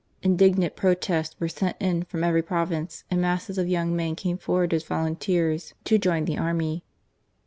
Indig nant protests were sent in from every province, and masses of young men came forward as volunteers to join the army.